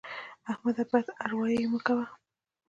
احمده! بد اروايي مه کوه.